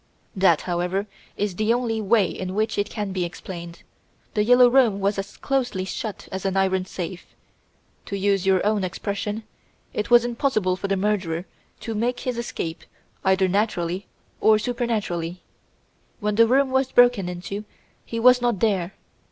"That, however, is the only way in which it can be explained. "The Yellow Room" was as closely shut as an iron safe. To use your own expression, it was impossible for the murderer to make his escape either naturally or supernaturally. When the room was broken into he was not there!